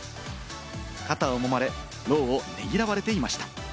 肩を揉まれ、労を労われていました。